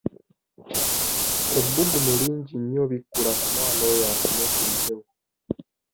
Ebbugumu lingi nnyo bikkula ku mwana oyo afune ku mpewo.